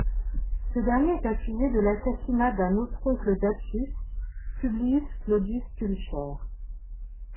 Ce dernier est accusé de l'assassinat d'un autre oncle d'Appius, Publius Clodius Pulcher.